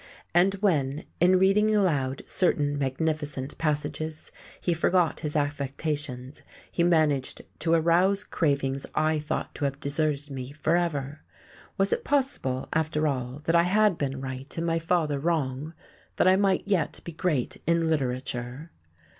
And when, in reading aloud certain magnificent passages, he forgot his affectations, he managed to arouse cravings I thought to have deserted me forever. Was it possible, after all, that I had been right and my father wrong? that I might yet be great in literature?